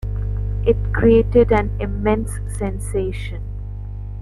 It created an immense sensation.